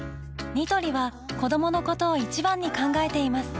ニトリは子どものことを一番に考えています